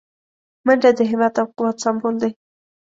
منډه د همت او قوت سمبول دی